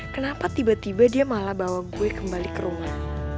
kenapa tiba tiba dia malah bawa gue kembali ke rumah